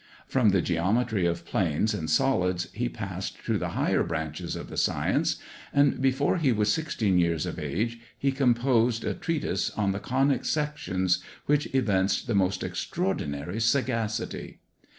From the geometry of planes and solids he passed to the higher branches of the science; and, before he was sixteen years of age, he composed a treatise on the Conic Sections, which evinced the most extraordinary sagacity.